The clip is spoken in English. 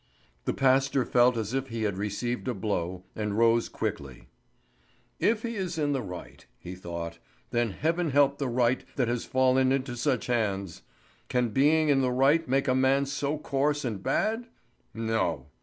The pastor felt as if he had received a blow, and rose quickly. "If he is in the right," he thought, "then Heaven help the right that has fallen into such hands! Can being in the right make a man so coarse and bad? No!